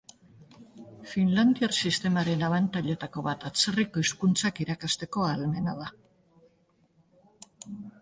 Finlandiar sistemaren abantailetako bat atzerriko hizkuntzak irakasteko ahalmena da.